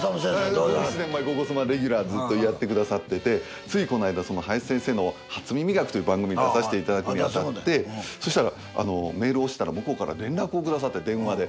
６７年前「ゴゴスマ」レギュラーずっとやってくださっててついこの間林先生の「初耳学」という番組に出させていただくにあたってそしたらメールをしたら向こうから連絡をくださって電話で。